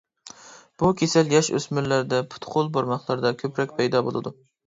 بۇ كېسەل ياش-ئۆسمۈرلەردە، پۇت-قول بارماقلىرىدا كۆپرەك پەيدا بولىدۇ.